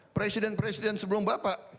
presiden presiden sebelum bapak